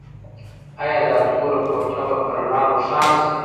ایا دا توره کوټه به په رڼا روښانه شي؟